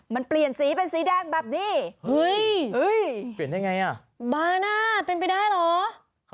มันเปลี่ยนสีเป็นสีแดงแบบนี้เฮ้ยเปลี่ยนได้ไงอ่ะบาน่าเป็นไปได้เหรอ